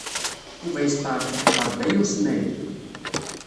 Yuba yesṭeɛref iḥeqqeṛ Baya U Smaɛil.